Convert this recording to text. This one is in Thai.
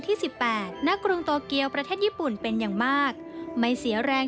ติดตามได้จากรายงานนะครับ